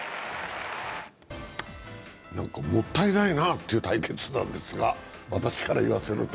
なにかもったいないなという対決なんですが、私からいわせると。